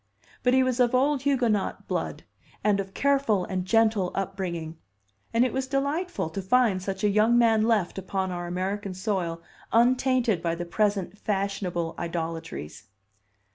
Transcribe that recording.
But he was of old Huguenot blood, and of careful and gentle upbringing; and it was delightful to find such a young man left upon our American soil untainted by the present fashionable idolatries.